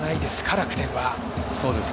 楽天は。